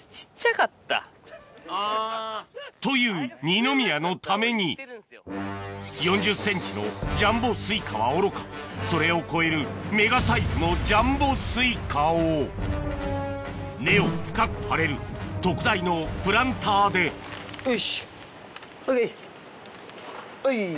という二宮のために４０ｃｍのジャンボスイカはおろかそれを超えるメガサイズのジャンボスイカを根を深く張れる特大のプランターでほれおい。